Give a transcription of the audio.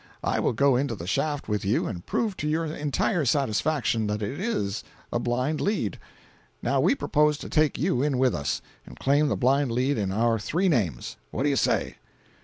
I will go into the shaft with you and prove to your entire satisfaction that it is a blind lead. Now we propose to take you in with us, and claim the blind lead in our three names. What do you say?"